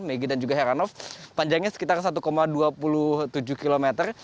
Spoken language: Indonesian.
megi dan juga heranov panjangnya sekitar satu dua puluh tujuh kilometer